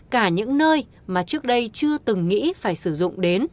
cả những nơi mà trước đây chưa từng nghĩ phải sử dụng đến